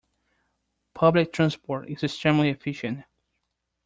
Public transport is extremely efficient.